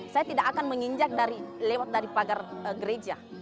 saya tidak akan menginjak lewat dari pagar gereja